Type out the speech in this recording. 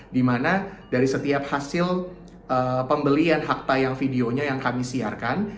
di mana dari setiap hasil pembelian hakta yang videonya yang kami siarkan